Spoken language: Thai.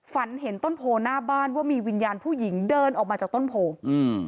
ฝันเห็นต้นโพหน้าบ้านว่ามีวิญญาณผู้หญิงเดินออกมาจากต้นโพอืม